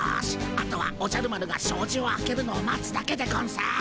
あとはおじゃる丸がしょうじを開けるのを待つだけでゴンス。